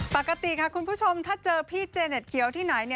ปกติค่ะคุณผู้ชมถ้าเจอพี่เจเน็ตเขียวที่ไหน